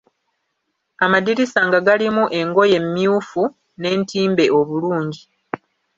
Amadirisa nga galimu engoye mmyufu, n’entimbe obulungi.